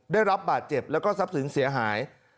ได้รับบาดเจ็บแล้วก็ทรัพย์สินเสียหาย